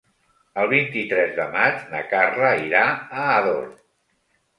El vint-i-tres de maig na Carla irà a Ador.